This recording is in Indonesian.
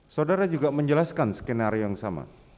saudara juga menjelaskan skenario yang sama